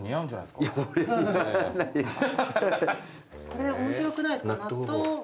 これ面白くないですか？